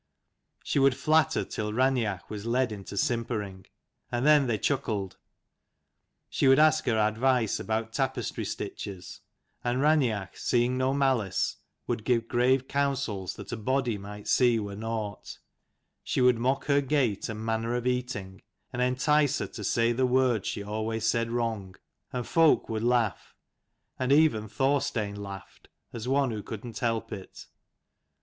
She would flatter till Raineach was led into simpering, and then they chuckled: she would ask her advice about tapestry stiches, and Raineach, seeing no malice, would give grave counsels that a body might see were nought : she would mock her gait and manner of eating, and entice her to say the words she always said wrong ; and folk would laugh ; and even Thorstein laughed as one who couldn't help it.